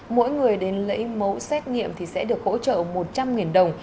mỗi người đến lấy máu xét nghiệm sẽ được hỗ trợ một trăm linh đồng